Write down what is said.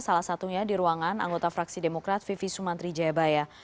salah satunya di ruangan anggota fraksi demokrat vivi sumantri jayabaya